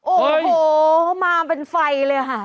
โอ้โหมาเป็นไฟเลยค่ะ